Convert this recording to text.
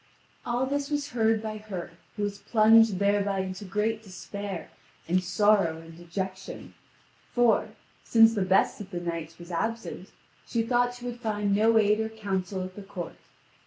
(Vv. 4759 4820.) All this was heard by her, who was plunged thereby into great despair and sorrow and dejection; for, since the best of the knights was absent, she thought she would find no aid or counsel at the court.